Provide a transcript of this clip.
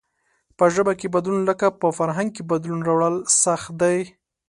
په ژبه کې بدلون لکه په فرهنگ کې بدلون راوړل سخت دئ.